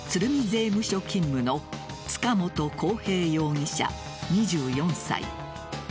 税務署勤務の塚本晃平容疑者２４歳。